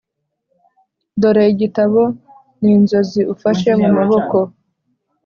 dore igitabo ninzozi ufashe mumaboko